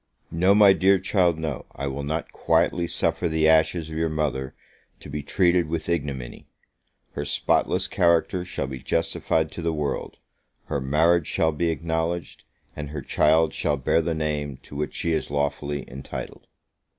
No, my dear child, no; I will not quietly suffer the ashes of your mother to be treated with ignominy! her spotless character shall be justified to the world her marriage shall be acknowledged, and her child shall bear the name to which she is lawfully entitled.